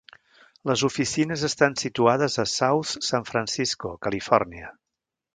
Las oficines estan situades a South San Francisco, Califòrnia.